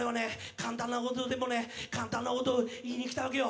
簡単なことでもね、簡単なことを言いに来たわけよ。